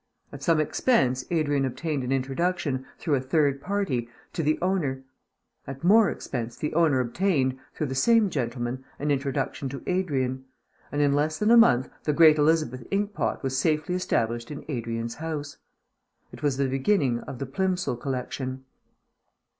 At some expense Adrian obtained an introduction, through a third party, to the owner; at more expense the owner obtained, through the same gentleman, an introduction to Adrian; and in less than a month the great Elizabeth Ink pot was safely established in Adrian's house. It was the beginning of the "Plimsoll Collection."